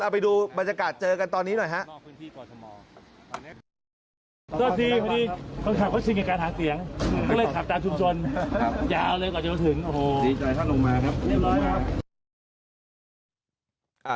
เอาไปดูบรรยากาศเจอกันตอนนี้หน่อยฮะ